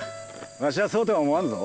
わしはそうとは思わんぞ。